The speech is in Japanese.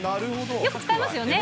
よく使いますよね。